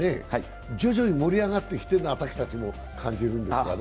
徐々に盛り上がってきているのはたちも感じるんですけどね。